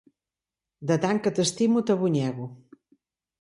De tant que t'estimo, t'abonyego.